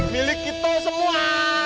milik kita semua